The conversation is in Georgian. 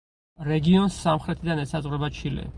რეგიონს სამხრეთიდან ესაზღვრება ჩილე.